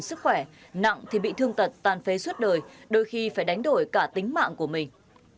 sức khỏe nặng thì bị thương tật tan phế suốt đời đôi khi phải đánh đổi cả tính mạng của mình